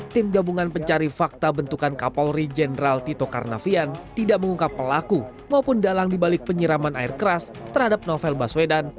tim gabungan pencari fakta bentukan kapolri jenderal tito karnavian tidak mengungkap pelaku maupun dalang dibalik penyiraman air keras terhadap novel baswedan